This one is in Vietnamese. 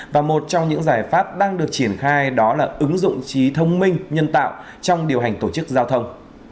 và một trong những giải pháp đang được triển khai đó là ứng dụng trí thông minh nhân tạo trong điều hành tổ chức giao thông